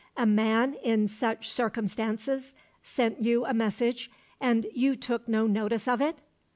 "A man in such circumstances sent you a message, and you took no notice of it?"